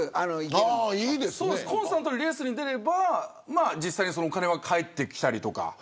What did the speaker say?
コンスタントにレースに出れば実際にお金は返ってきたりとか。